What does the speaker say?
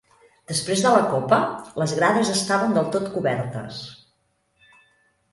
Després de la copa, les grades estaven del tot cobertes.